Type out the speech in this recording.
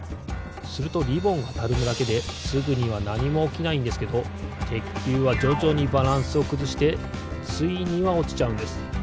するとリボンがたるむだけですぐにはなにもおきないんですけどてっきゅうはじょじょにバランスをくずしてついにはおちちゃうんです。